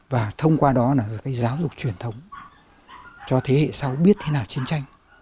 và thông qua đó là cái giáo dục truyền thống cho thế hệ sau biết thế nào chiến tranh